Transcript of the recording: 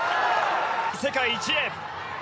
世界一へ。